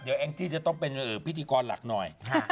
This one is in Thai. เดี๋ยวแองจี้จะต้องเป็นพิธีกรหลักหน่อย